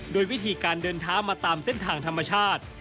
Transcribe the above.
โดยวิธีการเดินเท้ามาตามเส้นทางธรรมชาติ